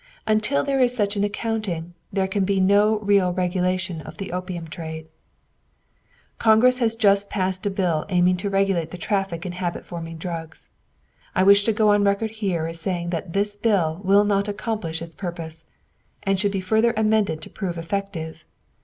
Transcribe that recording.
Until there is such an accounting, there can be no real regulation of the opium trade. Congress has just passed a bill aiming to regulate the traffic in habit forming drugs. I wish to go on record here as saying that this bill will not accomplish its purpose, and should be further amended to prove effective.